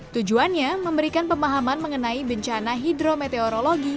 tujuannya memberikan pemahaman mengenai bencana hidrometeorologi